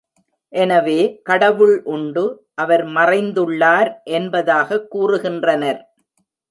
எனவே, கடவுள் உண்டு அவர் மறைந்துள்ளார் என்பதாகக் கூறுகின்றனர்.